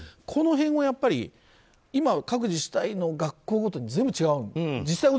この辺はやっぱり今、各自治体の学校ごとに全部、違うんです。